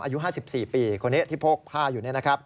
อายุ๕๔ปีคนนี้ที่โพกผ้าอยู่เนี่ยนะครับ